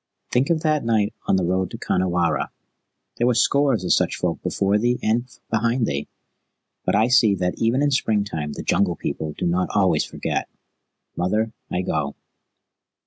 "Think of that night on the road to Khanhiwara. There were scores of such folk before thee and behind thee. But I see that even in springtime the Jungle People do not always forget. Mother, I go."